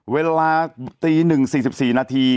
เวลาตี๑๔๔นาที